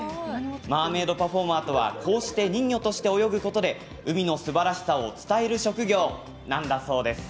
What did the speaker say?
マーメードパフォーマーとはこうして人魚として泳ぐことで海のすばらしさを伝える職業なんだそうです。